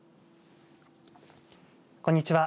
こんにちは。